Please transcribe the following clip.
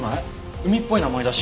海っぽい名前だし。